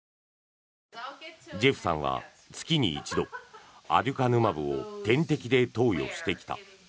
ジェフさんは月に一度アデュカヌマブを点滴で投与してきた。